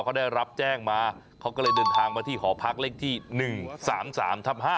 เขาได้รับแจ้งมาเขาก็เลยเดินทางมาที่หอพักเลขที่๑๓๓ทับ๕